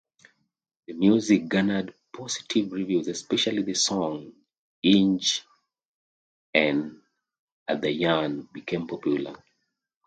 The music garnered positive reviews especially the song "Enge En Idhayam" became popular.